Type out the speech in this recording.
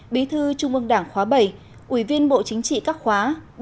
bí thư trung ương đảng khóa bảy ủy viên bộ chính trị các khóa bốn năm sáu bảy tám